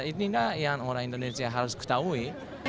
ini yang orang indonesia harus ketahui